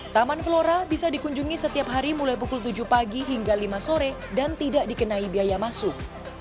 taman flora bisa dikunjungi setiap hari mulai pukul tujuh pagi hingga lima sore dan tidak dikenai biaya masuk